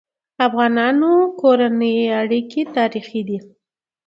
د افغانانو کورنی اړيکي تاریخي دي.